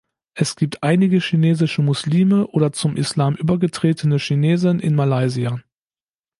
Es gibt einige chinesische Muslime oder zum Islam übergetretene Chinesen in Malaysia.